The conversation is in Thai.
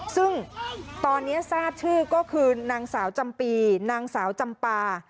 ซึ่งตอนนี้ทราบชื่อก็คือนางสาวจำปีนางสาวจำปา